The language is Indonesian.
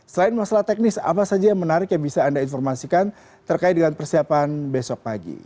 selain masalah teknis apa saja yang menarik yang bisa anda informasikan terkait dengan persiapan besok pagi